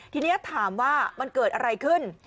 ทีนี้ถามว่ามันเกิดอะไรขึ้น